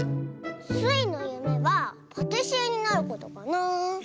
スイのゆめはパティシエになることかな。